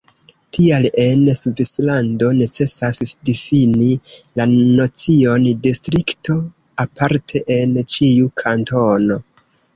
Tial en Svislando necesas difini la nocion distrikto aparte en ĉiu kantono.